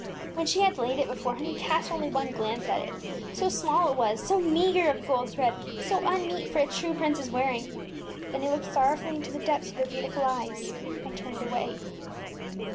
ŌĆÖ When she had laid it before him he cast only one glance at it, so small it was, so meagre of gold thread, so unmeet for a true princeŌĆÖs wearing. Then he looked sorrow fully into the depths of her beautiful eyes and turned away.